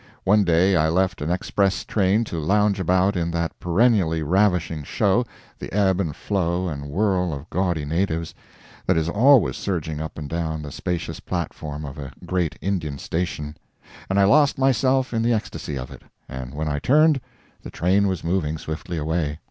One day I left an express train to lounge about in that perennially ravishing show, the ebb and flow and whirl of gaudy natives, that is always surging up and down the spacious platform of a great Indian station; and I lost myself in the ecstasy of it, and when I turned, the train was moving swiftly away.